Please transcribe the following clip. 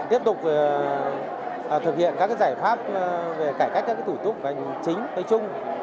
tiếp tục thực hiện các giải pháp về cải cách các thủ tục bành chính với chung